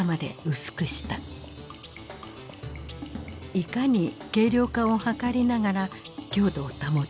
いかに軽量化を図りながら強度を保つか。